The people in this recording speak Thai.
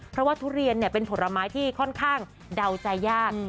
เพราะว่าทุเรียนเป็นผลไม้ที่ค่อนข้างเดาใจยาก